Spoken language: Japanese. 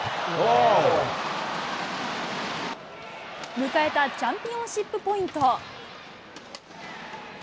迎えたチャンピオンズシップポイント。